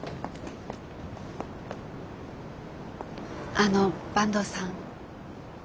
あの坂東さん。